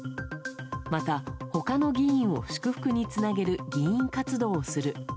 また、他の議員を祝福につなげる議員活動をする。